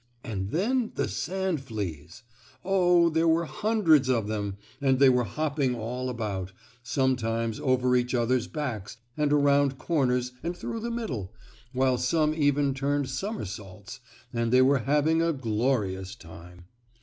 And then the sand fleas! Oh, there were hundreds of them, and they were hopping all about, sometimes over each other's backs and around corners and through the middle, while some even turned somersaults, and they were having a glorious time.